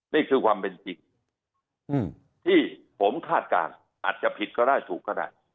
นี่คือความเป็นจริงที่ผมคาดการณ์อาจจะผิดก็ได้ถูกก็ได้